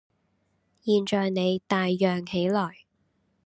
現在你大嚷起來，